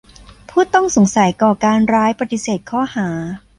ผู้ต้องสงสัยก่อการร้ายปฏิเสธข้อหา